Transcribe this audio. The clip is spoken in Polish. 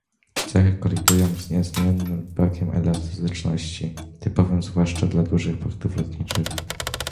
Te cechy kolidują z niezmiennym brakiem elastyczności, typowym zwłaszcza dla dużych portów lotniczych